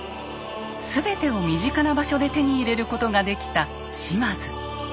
全てを身近な場所で手に入れることができた島津。